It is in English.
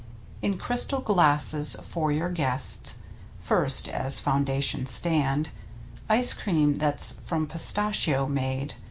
In crystal glasses for your guests First, as foundation stand Ice cream that's from Pistachio made.